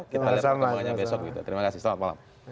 kita lihat pertemuan besok terima kasih selamat malam